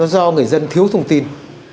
cho người dân thiếu thông tin